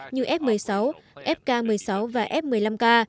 như f một mươi sáu fk một mươi sáu và f một mươi năm k